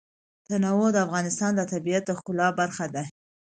تنوع د افغانستان د طبیعت د ښکلا برخه ده.